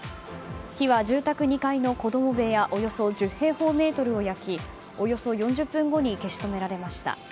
火は住宅２階の子供部屋およそ１０平方メートルを焼きおよそ４０分後に消し止められました。